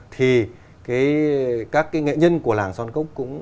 thì các nghệ nhân của làng son cúc